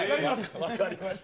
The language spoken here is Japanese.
分かりました。